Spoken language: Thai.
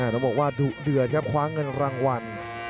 ต้องบอกว่าดุเดือดครับคว้าเงินรางวัล